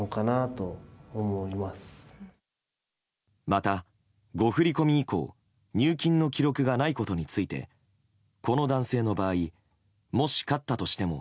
また、誤振り込み以降入金の記録がないことについてこの男性の場合もし勝ったとしても